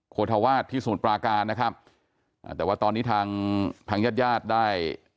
โคธวาสที่สมุทรปราการนะครับอ่าแต่ว่าตอนนี้ทางทางญาติญาติได้